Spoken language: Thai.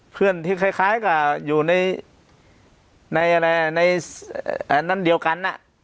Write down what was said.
เพื่อนที่คล้ายกับอยู่ในอันนั้นเดียวกัน